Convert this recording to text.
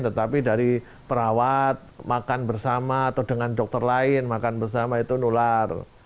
tetapi dari perawat makan bersama atau dengan dokter lain makan bersama itu nular